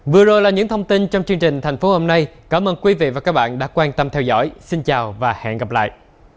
vừa rồi là những thông tin trong chương trình thành phố hôm nay cảm ơn quý vị và các bạn đã quan tâm theo dõi xin chào và hẹn gặp lại